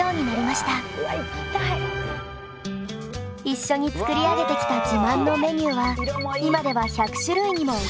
一緒に作り上げてきた自慢のメニューは今では１００種類にも及ぶそうです。